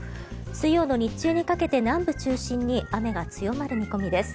水曜の日中にかけて南部を中心に雨が強まる見込みです。